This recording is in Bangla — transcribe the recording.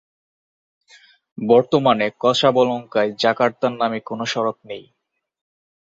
বর্তমানে কাসাবলংকায় জাকার্তার নামে কোন সড়ক নেই।